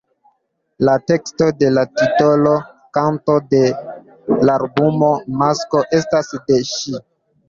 La teksto de la titola kanto de l‘ albumo „Masko“ estas de ŝi.